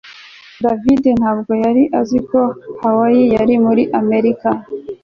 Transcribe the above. davide ntabwo yari azi ko hawaii yari muri amerika